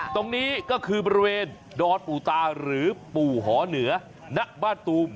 ตรงนี้ก็คือบริเวณดอนปู่ตาหรือปู่หอเหนือณบ้านตูม